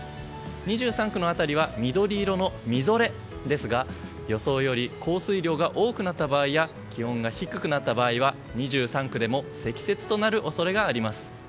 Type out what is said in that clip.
２３区の辺りは緑色のみぞれですが予想より降水量が多くなった場合や気温が低くなった場合は２３区でも積雪となる恐れがあります。